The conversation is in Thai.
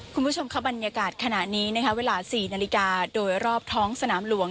คุณผู้ชมค่ะบรรยากาศขณะนี้นะคะเวลา๔นาฬิกาโดยรอบท้องสนามหลวง